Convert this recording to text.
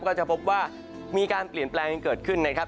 ก็จะพบว่ามีการเปลี่ยนแปลงเกิดขึ้นนะครับ